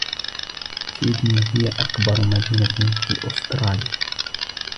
سيدني هي أكبر مدينة في استراليا.